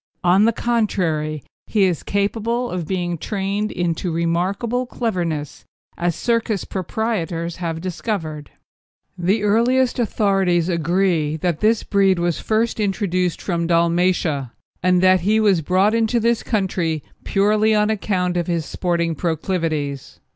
On the contrary, he is capable of being trained into remarkable cleverness, as circus proprietors have discovered. The earliest authorities agree that this breed was first introduced from Dalmatia, and that he was brought into this country purely on account of his sporting proclivities.